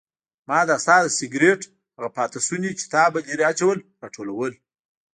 ما ستا د سګرټ هغه پاتې شوني چې تا به لرې اچول راټولول.